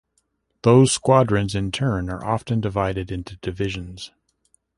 Those squadrons in turn are often divided into divisions.